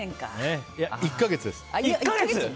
いや、１か月です。